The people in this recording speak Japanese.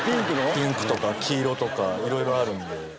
ピンクとか黄色とか色々あるんで。